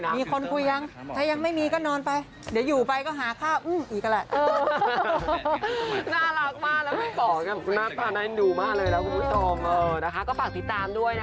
มีคนคุยยังถ้ายังไม่มีก็นอนไปเดี๋ยวอยู่ไปก็หาข้าว